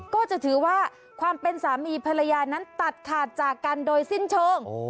ก็จะถือว่าความเป็นสามีภรรยานั้นตัดขาดจากกันโดยสิ้นเชิง